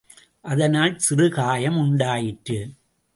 அதனால் சிறு காயம் உண்டாயிற்று.